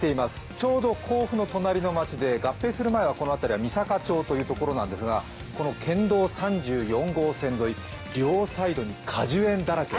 ちょうど甲府の隣の町で合併する前はこの辺りは御坂町というところなんですがこの県道３４号線沿い、両サイドに果樹園だらけ。